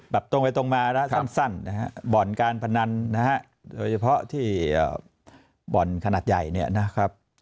ตรงไปตรงมานะสั้นนะฮะบ่อนการพนันนะฮะโดยเฉพาะที่บ่อนขนาดใหญ่เนี่ยนะครับ